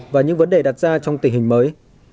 và những vấn đề đặt ra trong tình hình mới